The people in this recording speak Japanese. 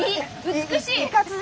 「美しい」！